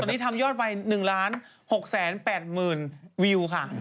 ตอนนี้ทำยอดไป๑๖๘๐๐๐วิวค่ะ